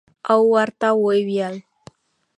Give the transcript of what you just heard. او ورته ووېل